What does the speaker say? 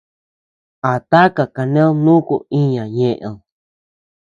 ¿A taka kaned nuku iña ñeʼed?